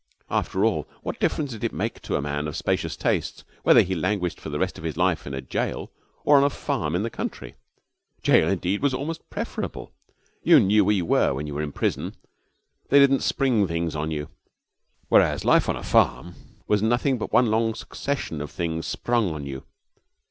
After all, what difference did it make to a man of spacious tastes whether he languished for the rest of his life in a jail or on a farm in the country? Jail, indeed, was almost preferable. You knew where you were when you were in prison. They didn't spring things on you. Whereas life on a farm was nothing but one long succession of things sprung on you.